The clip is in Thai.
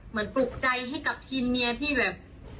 ปลุกใจให้กับทีมเมียที่แบบ